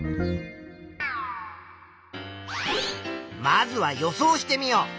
まずは予想してみよう。